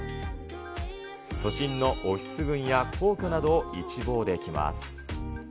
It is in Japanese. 都心のオフィス群や皇居などを一望できます。